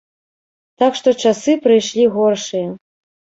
Так што часы прыйшлі горшыя.